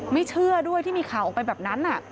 เชื่อด้วยที่มีข่าวออกไปแบบนั้น